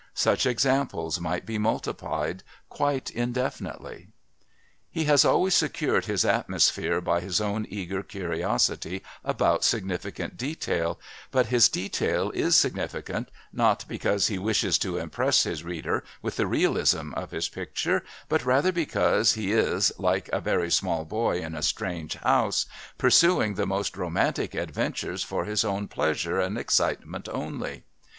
Such examples might be multiplied quite indefinitely. He has always secured his atmosphere by his own eager curiosity about significant detail, but his detail is significant, not because he wishes to impress his reader with the realism of his picture, but rather because he is, like a very small boy in a strange house, pursuing the most romantic adventures for his own pleasure and excitement only.